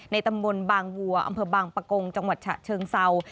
ตำบลบางวัวอำเภอบางปะกงจังหวัดฉะเชิงเศร้า